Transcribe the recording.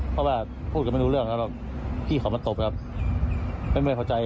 เพราะว่าพูดกันไม่รู้เรื่องครับพี่เขามาตบครับไม่เข้าใจ